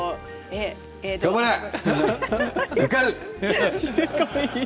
受かる！